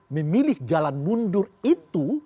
memilih jalan mundur itu